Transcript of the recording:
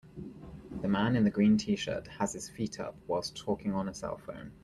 The man in the green tshirt has his feet up whilst talking on a cellphone.